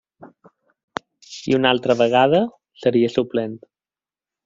I una altra vegada, seria suplent.